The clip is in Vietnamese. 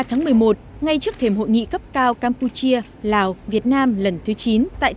chiều hai mươi ba một mươi một ngay trước thềm hội nghị cấp cao campuchia lào việt nam lần thứ chín tại tỉnh siem reap campuchia